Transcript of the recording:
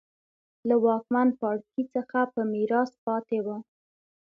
له واکمن پاړکي څخه په میراث پاتې وو.